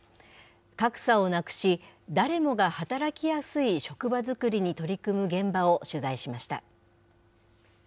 格差をなくし、誰もが働きやすい職場作りに取り組む現場を取材しました。